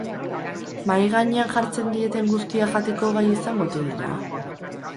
Mahai gainean jartzen dieten guztia jateko gai izango ote dira?